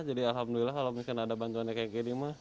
jadi alhamdulillah kalau misalnya ada bantuannya kayak gini mah